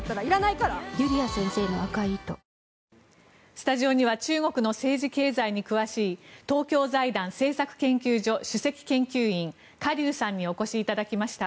スタジオには中国の政治・経済に詳しい東京財団政策研究所主席研究員カ・リュウさんにお越しいただきました。